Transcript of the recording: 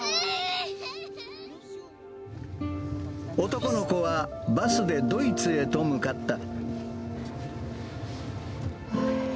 男の子は、バスでドイツへと向かった。